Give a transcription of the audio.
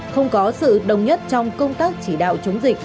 không có sự đồng nhất trong công tác chỉ đạo chống dịch